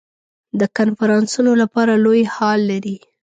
د کنفرانسونو لپاره لوی هال لري.